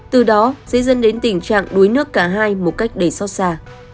từ đó dễ dẫn đến tình trạng đuối nước cả hai một cách đầy xót xa